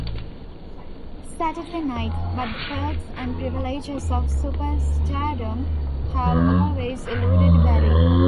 Saturday Night, but the perks and privileges of superstardom have always eluded Barry.